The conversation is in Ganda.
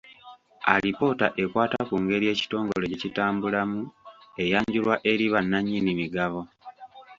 Alipoota ekwata ku ngeri ekitongole gye kitambulamu eyanjulibwa eri bannannyini migabo.